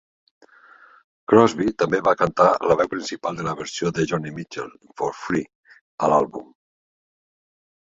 Crosby també va cantar la veu principal de la versió de Joni Mitchell, "For Free", a l'àlbum.